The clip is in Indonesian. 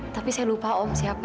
terima kasih om